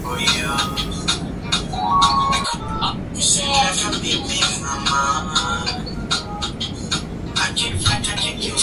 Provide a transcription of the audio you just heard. Ottoman sio tu hawakujaribu kuilinganisha na sheria na mifumo